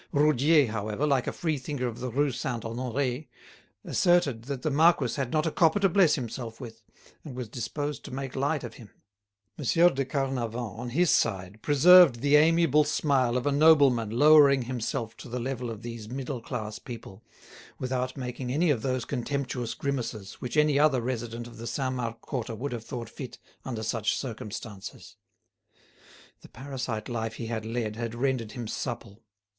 Roudier, however, like a free thinker of the Rue Saint Honoré, asserted that the marquis had not a copper to bless himself with, and was disposed to make light of him. M. de Carnavant on his side preserved the amiable smile of a nobleman lowering himself to the level of these middle class people, without making any of those contemptuous grimaces which any other resident of the Saint Marc quarter would have thought fit under such circumstances. The parasite life he had led had rendered him supple.